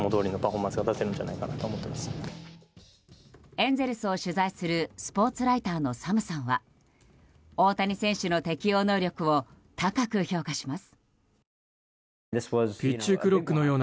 エンゼルスを取材するスポーツライターのサムさんは大谷選手の適応能力を高く評価します。